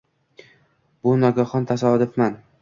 Bu nogahon, tasodifdan